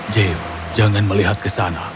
j jangan melihat ke sana